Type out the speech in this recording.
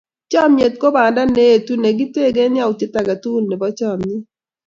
Chomnyet ko banda neetu, nekitekee yautiet age tugul nebo chomnyet.